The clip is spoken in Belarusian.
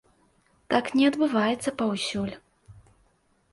Так не адбываецца паўсюль.